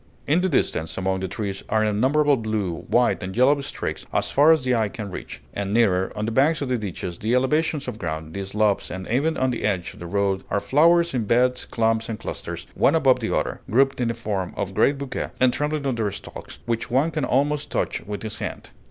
In the distance, among the trees, are innumerable blue, white, and yellow streaks, as far as the eye can reach; and nearer, on the banks of the ditches, the elevations of ground, the slopes, and even on the edge of the road are flowers in beds, clumps, and clusters, one above the other, grouped in the form of great bouquets, and trembling on their stalks, which one can almost touch with his hand.